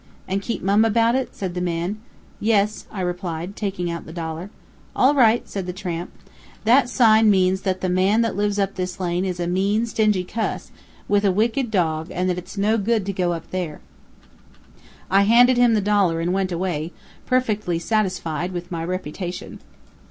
"And keep mum about it?" said the man. "Yes," I replied, taking out the dollar. "All right!" said the tramp. "That sign means that the man that lives up this lane is a mean, stingy cuss, with a wicked dog, and it's no good to go there." I handed him the dollar and went away, perfectly satisfied with my reputation.